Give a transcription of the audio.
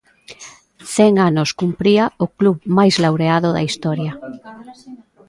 Cen anos cumpría o club máis laureado da historia.